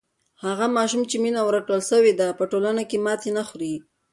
هغه ماشوم چې مینه ورکړل سوې ده په ټولنه کې ماتی نه خوری.